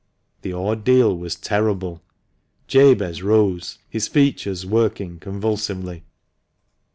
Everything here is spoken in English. The ordeal was terrible. Jabez rose, his features working convulsively.